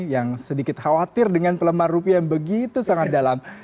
yang sedikit khawatir dengan pelemah rupiah yang begitu sangat dalam